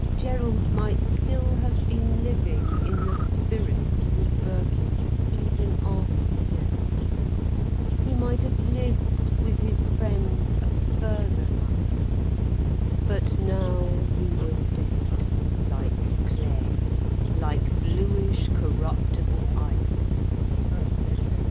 Gerald might still have been living in the spirit with Birkin, even after death. He might have lived with his friend, a further life. But now he was dead, like clay, like bluish, corruptible ice.